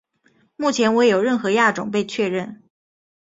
目前未有任何亚种被确认。